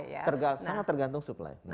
sangat tergantung supply